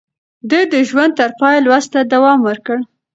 ده د ژوند تر پايه لوست ته دوام ورکړ.